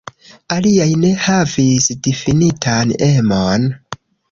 Aliaj ne havis difinitan emon.